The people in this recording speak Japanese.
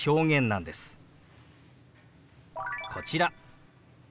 こちら。